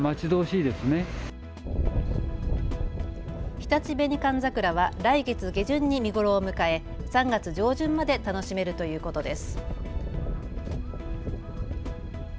日立紅寒桜は来月下旬に見頃を迎え、３月上旬まで楽しめるということです。